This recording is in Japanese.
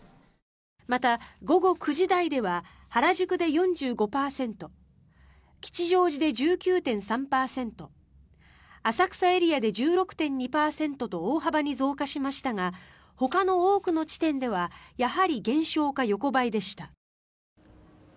また、午後９時台では原宿で４５％吉祥寺で１９．３％浅草エリアで１６．２％と大幅に増加しましたがほかの多くの地点ではやはり減少か横ばいでした。